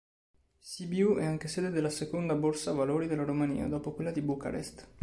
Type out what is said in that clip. Sibiu è anche sede della seconda Borsa valori della Romania, dopo quella di Bucarest.